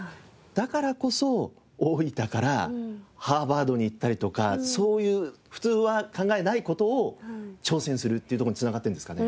だからこそ大分からハーバードに行ったりとかそういう普通は考えない事を挑戦するっていうとこに繋がってるんですかね。